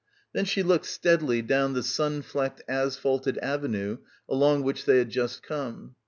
Then she looked steadily down the sunflecked asphalted avenue along which they had just come.